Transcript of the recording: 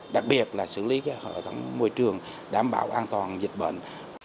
đặc biệt là xử lý hợp tác môi trường đảm bảo an toàn dịch bệnh